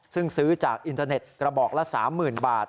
ซึ่งซื้อจากอินเทอร์เน็ตกระบอกละ๓๐๐๐บาท